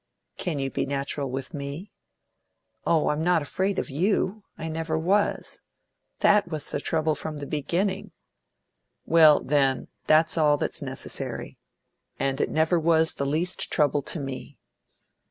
"Can you be natural with me?" "Oh, I'm not afraid of you. I never was. That was the trouble, from the beginning." "Well, then, that's all that's necessary. And it never was the least trouble to me!"